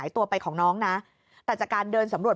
ตัวไปของน้องนะแต่จากการเดินสำรวจ